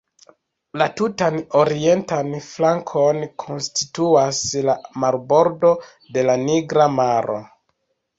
La tutan orientan flankon konstituas la marbordo de la Nigra Maro.